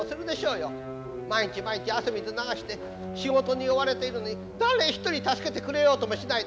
毎日毎日汗水流して仕事に追われているのに誰一人助けてくれようともしない。